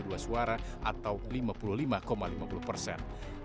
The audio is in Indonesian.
sedangkan pasangan prabowo sandi sebesar enam puluh delapan suara